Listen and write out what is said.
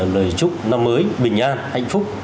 lời chúc năm mới bình an hạnh phúc